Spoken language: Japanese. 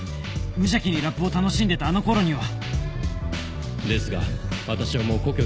無邪気にラップを楽しんでたあの頃には